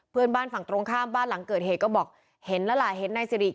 เพื่อนบ้านฝั่งตรงข้ามบ้านหลังเกิดเหตุก็บอกเห็นแล้วล่ะเห็นนายสิริ